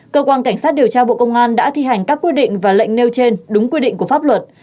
cơ quan cảnh sát điều tra bộ công an đã thi hành các quy định và lệnh nêu trên đúng quy định của pháp luật